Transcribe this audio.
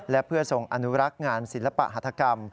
และเพื่อทรงอนุรักษ์งานศิลปะหัฐกรรม